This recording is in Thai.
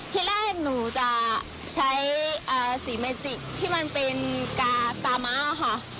ที่แรกหนูจะใช้สีเมจิกที่มันเป็นกาตาม้าค่ะ